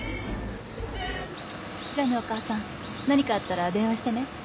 じゃあねお母さん何かあったら電話してね。